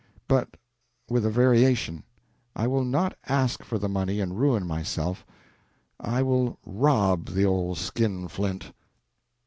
But with a variation I will not ask for the money and ruin myself; I will rob the old skinflint."